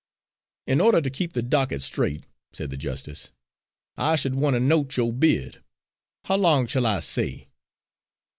"In order to keep the docket straight," said the justice, "I should want to note yo' bid. How long shall I say?"